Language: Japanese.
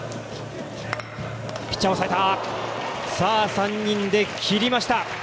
３人で切りました。